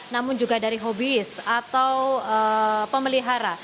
namun juga dari hobiis atau pemelihara